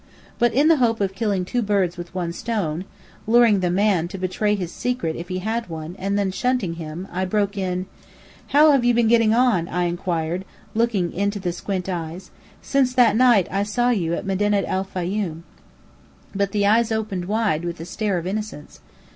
But in the hope of killing two birds with one stone (luring the man to betray his secret if he had one, and then shunting him), I broke in. "How have you been getting on," I inquired, looking into the squint eyes, "since that night I saw you at Medinet el Fayoum?" But the eyes opened wide, with a stare of innocence.